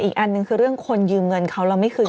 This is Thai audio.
อีกอันหนึ่งคือเรื่องคนยืมเงินเขาเราไม่คืน